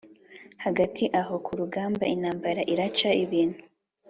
hagati aho ku rugamba intambara iraca ibintu,